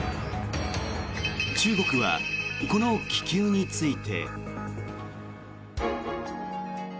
中国はこの気球について。